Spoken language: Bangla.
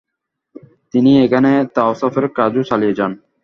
তিনি এখানে তাসাউফের কাজও চালিয়ে যান।